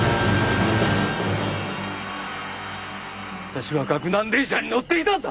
私は岳南電車に乗っていたんだ！